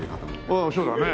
ああそうだね。